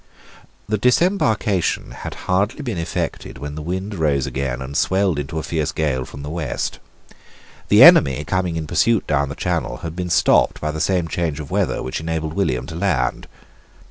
The disembarkation had hardly been effected when the wind rose again, and swelled into a fierce gale from the west. The enemy coming in pursuit down the Channel had been stopped by the same change of weather which enabled William to land.